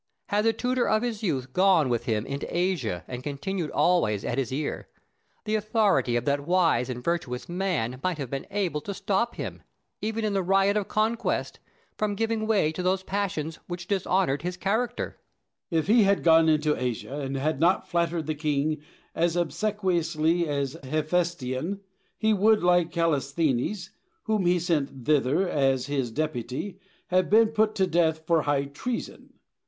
Had the tutor of his youth gone with him into Asia and continued always at his ear, the authority of that wise and virtuous man might have been able to stop him, even in the riot of conquest, from giving way to those passions which dishonoured his character. Diogenes. If he had gone into Asia, and had not flattered the king as obsequiously as Haephestion, he would, like Callisthenes, whom he sent thither as his deputy, have been put to death for high treason.